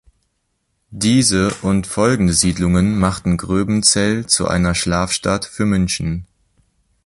Diese und folgende Siedlungen machten Gröbenzell zu einer Schlafstadt für München.